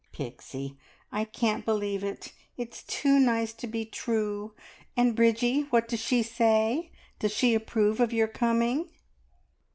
"Pixie, I can't believe it! It's too nice to be true. And Bridgie, what does she say? Does she approve of your coming?"